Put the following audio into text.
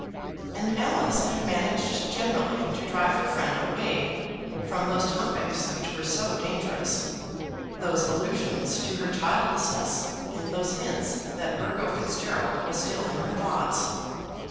And Alice had managed generally to drive her friend away from those topics which were so dangerous, those allusions to her childlessness, and those hints that Burgo Fitzgerald was still in her thoughts.